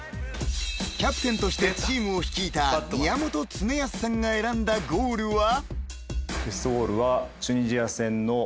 ［キャプテンとしてチームを率いた宮本恒靖さんが選んだゴールは？］